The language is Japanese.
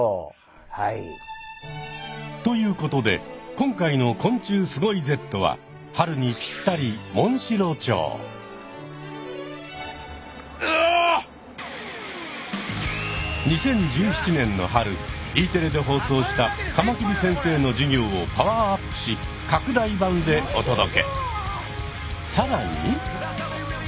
ということで今回の「昆虫すごいＺ」は春にぴったり２０１７年の春Ｅテレで放送したカマキリ先生の授業をパワーアップしさらに！